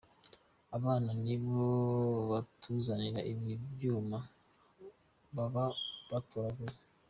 Abana nibo batuzanira ibi byuma baba batoraguye.